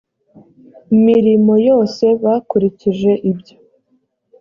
mirimo yose bakurikije ibyo